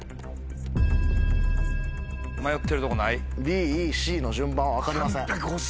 ＢＥＣの順番は分かりません。